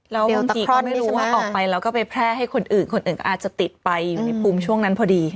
แล้วบางทีก็ไม่รู้ว่าออกไปแล้วก็ไปแพร่ให้คนอื่นคนอื่นก็อาจจะติดไปอยู่ในภูมิช่วงนั้นพอดี